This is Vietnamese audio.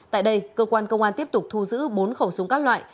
tại đây cơ quan công an tiếp tục thu giữ bốn khẩu súng các loại